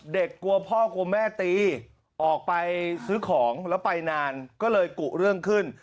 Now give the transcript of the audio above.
กลัวพ่อกลัวแม่ตีออกไปซื้อของแล้วไปนานก็เลยกุเรื่องขึ้น